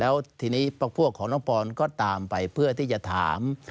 แล้วทีนี้พวกของน้องปอนก็ตามไปเพื่อที่จะถาม